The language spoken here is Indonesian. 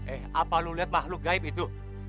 eh apa lu lihat makhluk gaib itu